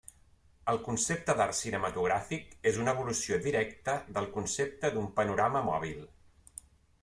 El concepte d'art cinematogràfic és una evolució directa del concepte d'un panorama mòbil.